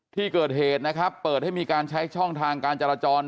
ที่เกิดเหตุนะครับเปิดให้มีการใช้ช่องทางการจราจร